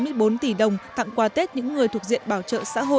dành một hai trăm bốn mươi bốn tỷ đồng tặng qua tết những người thuộc diện bảo trợ xã hội